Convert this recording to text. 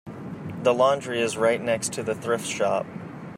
The laundry is right next to the thrift shop.